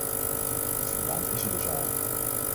Het verband is er dus al.